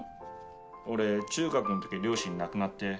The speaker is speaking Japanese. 俺中学の時に両親亡くなって。